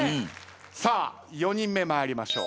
さあ４人目参りましょう。